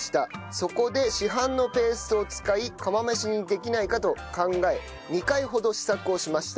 そこで市販のペーストを使い釜飯にできないかと考え２回ほど試作をしました。